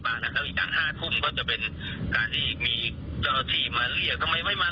เวลาที่การสื่อสารหรือว่าพวกนี้มันไม่เข้าใจกัน